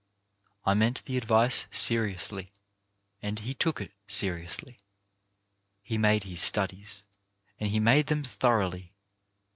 I meant the advice seriously, and he took it seriously. He made his studies, and he made them thoroughly.